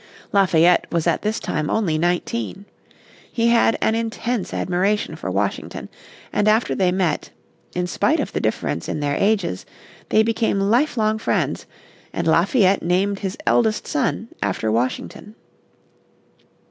Lafayette was at this time only nineteen. He had an immense admiration for Washington, and after they met, in spite of the difference in the their ages, they became lifelong friends, and Lafayette named his eldest son after Washington.